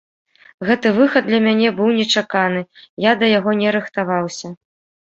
Гэты выхад для мяне быў нечаканы, я да яго не рыхтаваўся.